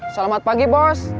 selamat pagi bos